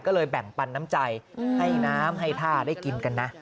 ก็เลยแบ่งปันน้ำใจให้น้ำให้ผ้าได้กินกันนะ